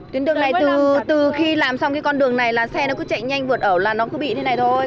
tuyến đường này từ khi làm xong cái con đường này là xe nó cứ chạy nhanh vượt ẩu là nó cứ bị thế này thôi